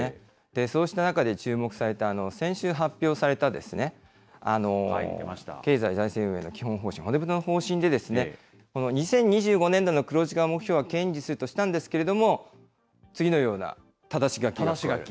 そうした中で注目された、先週発表された経済財政運営の基本方針、骨太の方針で、この２０２５年度の黒字化目標を堅持するとしたんですけれども、次のようなただし書きが。